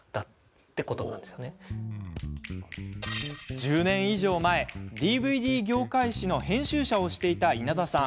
１０年以上前、ＤＶＤ業界誌の編集者をしていた稲田さん。